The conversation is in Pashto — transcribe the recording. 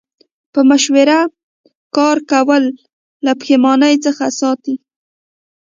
په مشوره کار کول له پښیمانۍ څخه ساتي.